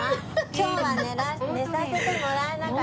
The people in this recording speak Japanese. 今日は寝させてもらえなかった。